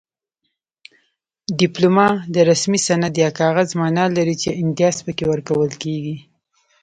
ډیپلوما د رسمي سند یا کاغذ مانا لري چې امتیاز پکې ورکول کیږي